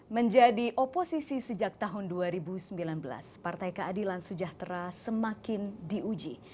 menjadi oposisi sejak tahun dua ribu sembilan belas partai keadilan sejahtera semakin diuji